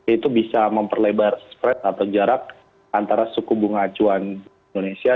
itu bisa memperlebar stres atau jarak antara suku bunga acuan indonesia